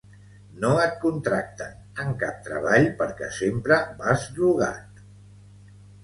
No et contracten en cap treball perquè sempre vas drogat